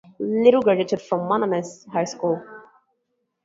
Little graduated from Manassas High School.